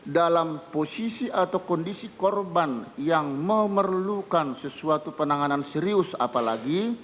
dalam posisi atau kondisi korban yang memerlukan sesuatu penanganan serius apalagi